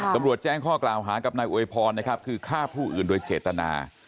ตำรวจแจ้งข้อกล่าวหากับนายอวยพรนะครับคือฆ่าผู้อื่นโดยเจตนา